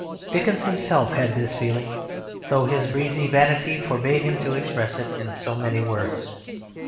Dickens himself had this feeling, though his breezy vanity forbade him to express it in so many words.